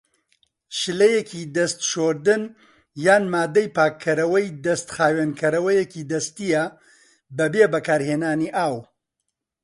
شلەیەکی دەست شۆردن یان مادەی پاکەرەوەی دەست خاوێنکەرەوەیەکی دەستیە بەبێ بەکارهێنانی ئاو.